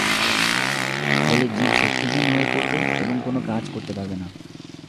ফলে জীব শক্তিহীন হয়ে পড়বে এবং কোনো কাজ করতে পারবে না।